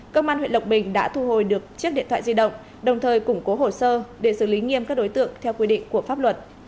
công an huyện lộc bình đã thu hồi được chiếc điện thoại di động đồng thời củng cố hồ sơ để xử lý nghiêm các đối tượng theo quy định của pháp luật